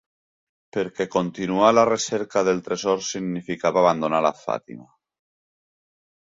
Perquè continuar la recerca del tresor significava abandonar la Fàtima.